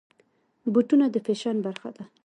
بوټونه د فیشن برخه ده.